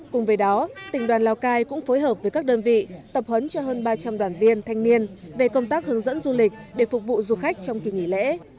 cùng với đó tỉnh đoàn lào cai cũng phối hợp với các đơn vị tập huấn cho hơn ba trăm linh đoàn viên thanh niên về công tác hướng dẫn du lịch để phục vụ du khách trong kỳ nghỉ lễ